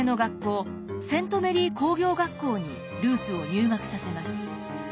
セント・メリー工業学校にルースを入学させます。